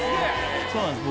そうなんです